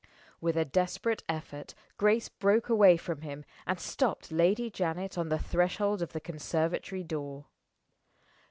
With a desperate effort, Grace broke away from him, and stopped Lady Janet on the threshold of the conservatory door.